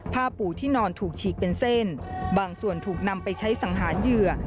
ผ้าปู่ที่นอนถูกฉีกเป็นเส้นบางส่วนถูกนำไปใช้สังหารเหยื่อ